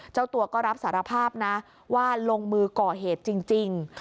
เจ้าตัวก็รับสารภาพนะว่าลงมือก่อเหตุจริง